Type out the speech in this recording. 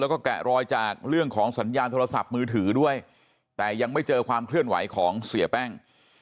แล้วก็แกะรอยจากเรื่องของสัญญาณโทรศัพท์มือถือด้วยแต่ยังไม่เจอความเคลื่อนไหวของเสียแป้ง